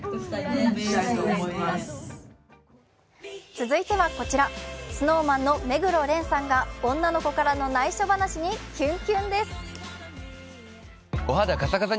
続いてはこちらＳｎｏｗＭａｎの目黒蓮さんが女の子からのないしょ話にキュンキュンです。